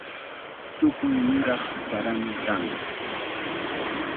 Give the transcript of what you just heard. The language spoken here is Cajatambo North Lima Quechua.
Tukuy niraq sarami kan.